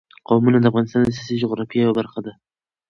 قومونه د افغانستان د سیاسي جغرافیه یوه برخه ده.